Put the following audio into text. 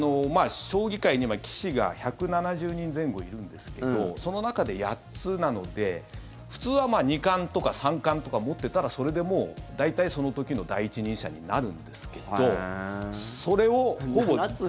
将棋界に今、棋士が１７０人前後いるんですけどその中で８つなので、普通は二冠とか三冠とか持ってたらそれでもう、大体その時の第一人者になるんですけどそれを。